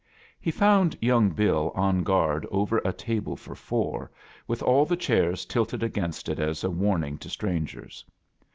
tk found young Bill on guard over a table for four, with all the chairs tilted against it as a warning to strangers.